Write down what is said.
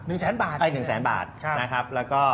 หนึ่งแสนบาทใช่ใช่หนึ่งแสนบาทนะครับแล้วก็